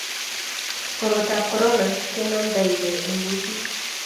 korot tab korona kenamtaigei eng kutik